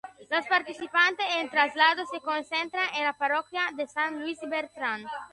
Los participantes en el traslado se concentran a la parroquia de San Luis Bertrán.